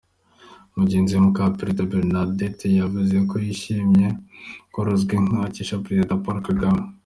Mugenzi we Mukaperezida Bernadette yavuze ko yishimiye korozwa inka akesha Perezida Paul Kagame.